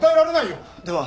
では